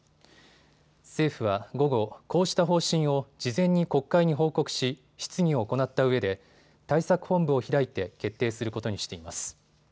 政府は午後、こうした方針を事前に国会に報告し質疑を行ったうえで対策本部を開いて決定することにしています。